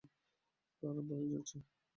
কার বয়ে যাচ্ছে?